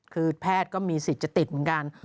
คือแพทย์ก็มีสิทธิ์จะติดเหมือนกัน